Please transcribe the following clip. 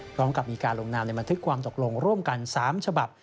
พร้อมกับมีการลงนามในบันทึกความตกลงร่วมกัน๓ฉบับ